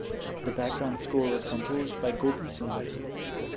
The background score was composed by Gopi Sundar.